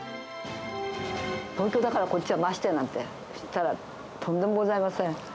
東京だから、こっちはましてやなんて、とんでもございません。